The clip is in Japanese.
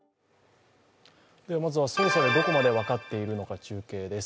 まずは捜査でどこまで分かっているのか、中継です。